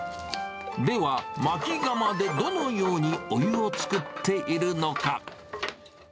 では、まきがまでどのようにお湯を作っているのか。